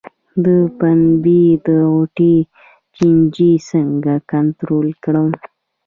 د پنبې د غوټې چینجی څنګه کنټرول کړم؟